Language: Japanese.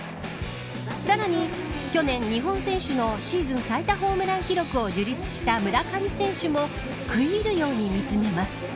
さらに、去年日本選手のシーズン最多ホームラン記録を樹立した村上選手も食い入るように見つめます。